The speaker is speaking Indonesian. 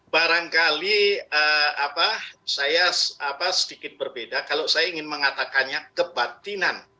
barangkali saya sedikit berbeda kalau saya ingin mengatakannya kebatinan